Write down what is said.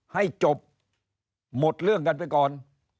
ให้จบหมดเรื่องกันไปก่อน